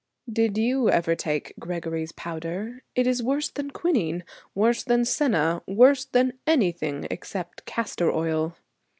Did you ever take Gregory's powder? It is worse than quinine, worse than senna, worse than anything except castor oil.